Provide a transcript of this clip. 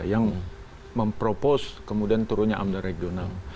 yang mempropos kemudian turunnya amdal regional